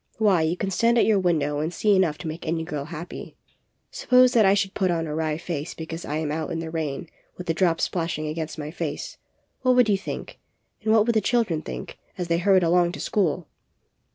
Why, you can stand at your window and see enough to make any girl happy. Suppose that I should put on a wry face because I am out in the rain with the drops splashing against my face, what would you think, and what would the children think, as they hurried along to school?"